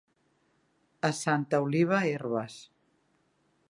A Santa Oliva, herbes.